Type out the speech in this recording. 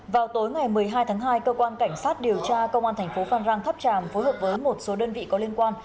vào tối ngày một mươi hai tháng hai cơ quan cảnh sát điều tra công an thành phố phan rang tháp tràm phối hợp với một số đơn vị có liên quan